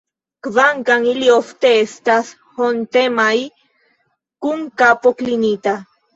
Kvankam ili ofte estas hontemaj, kun kapo klinita.